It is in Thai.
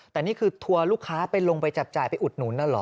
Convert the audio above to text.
แต่นี่คือทัวร์ลูกค้าไปลงไปจับจ่ายไปอุดหนุนนั่นเหรอ